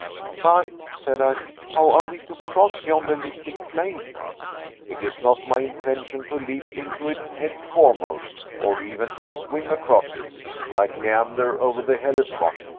"But," said I, "how are we to cross yonder liquid plain?" "It is not my intention to leap into it head foremost, or even to swim across it, like Leander over the Hellespont.